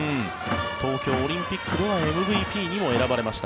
東京オリンピックではＭＶＰにも選ばれました